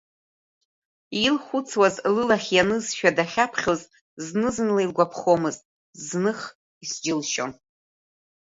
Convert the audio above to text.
Илхәыцуаз лылахь ианызшәа дахьаԥхьоз зны-зынла илгәаԥхомызт, зных изџьылшьон.